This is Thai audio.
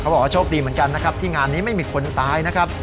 บอกว่าโชคดีเหมือนกันนะครับที่งานนี้ไม่มีคนตายนะครับ